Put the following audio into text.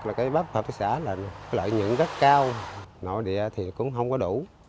là cái bắp hợp tác xã là lợi nhuận rất cao nội địa thì cũng không có đủ